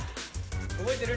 覚えてる？